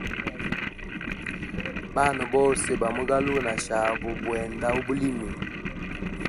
Bana Babose bamugaluwa na shabo bwenda ubulimi.